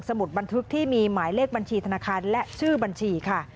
มุดบันทึกที่มีหมายเลขบัญชีธนาคารและชื่อบัญชีค่ะ